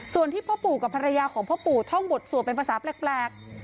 ส่วนที่พ่อปู่กับภรรยาของพ่อปู่ท่องบทสวดเป็นภาษาแปลก